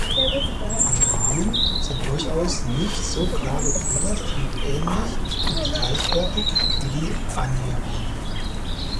Die Panoramen sind durchaus nicht so klar gegliedert und ähnlich gleichwertig wie die Annäherungen.